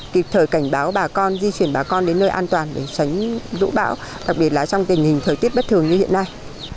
kịp thời cảnh báo bà con di chuyển bà con đến nơi an toàn để tránh lũ bão đặc biệt là trong tình hình thời tiết bất thường như hiện nay